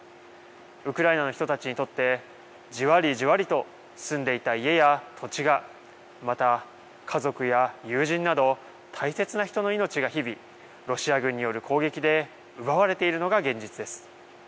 ウクライナの人たちにとって、じわりじわりと住んでいた家や土地が、また、家族や友人など、大切な人の命が日々、ロシア軍による攻撃で奪われているのが現実です。